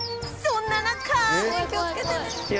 そんな中